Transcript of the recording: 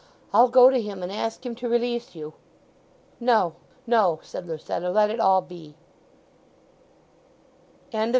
I'll go to him and ask him to release you." "No, no," said Lucetta. "Let it all be." XXVIII.